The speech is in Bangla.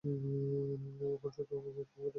এখন, শুধু দেখতে থাক।